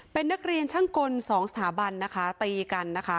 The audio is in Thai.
เป็นนักเรียนช่างกลสองสถาบันนะคะตีกันนะคะ